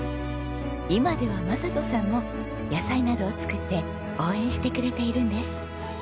今では正人さんも野菜などを作って応援してくれているんです。